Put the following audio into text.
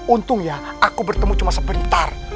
untung ya aku bertemu cuma sebentar